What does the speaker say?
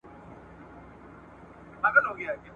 ځه راځه سره پخلا سو په زمان اعتبار نسته !.